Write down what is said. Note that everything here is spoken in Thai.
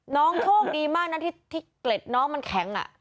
โชคดีมากนะที่เกล็ดน้องมันแข็ง